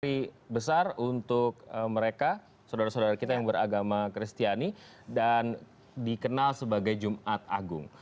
tapi besar untuk mereka saudara saudara kita yang beragama kristiani dan dikenal sebagai jumat agung